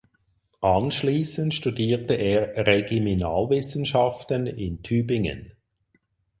Anschließend studierte er Regiminalwissenschaften in Tübingen.